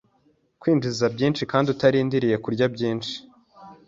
Kwinjiza byinshi kandi utarindiriye kurya byinshi